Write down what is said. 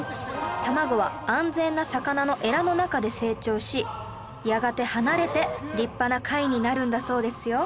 卵は安全な魚のエラの中で成長しやがて離れて立派な貝になるんだそうですよ